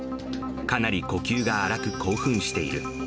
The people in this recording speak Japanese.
かなり呼吸が荒く興奮している。